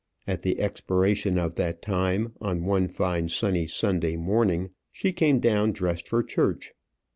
At the expiration of that time, on one fine sunny Sunday morning she came down dressed for church.